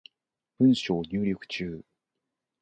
文章入力中